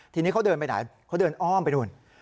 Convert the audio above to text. ทีนี้เขาเดินไปไหนเขาเดินอ้อมไปนู่น